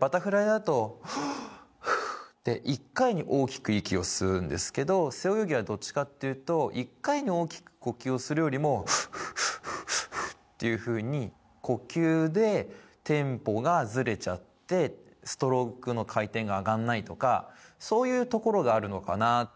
バタフライだとふーって１回に大きく息を吸うんですけど背泳ぎはどっちかというと１回、大きく呼吸をするよりフッフッフッと呼吸でテンポがずれちゃってストロークの回転が上がらないとかそういうところがあるのかな。